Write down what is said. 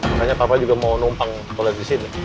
makanya papa juga mau numpang toilet disini